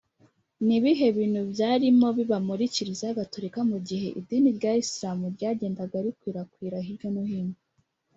ni ibihe bintu byarimo biba muri kiliziya gatolika mu gihe idini rya isilamu ryagendaga rikwirakwira hirya no hino?